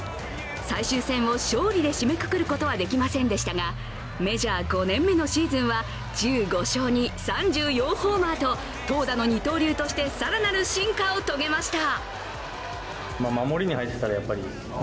最終戦を勝利で締めくくることはできませんでしたがメジャー５年目のシーズンは１５勝に３４ホーマーと投打の二刀流として更なる進化を遂げました。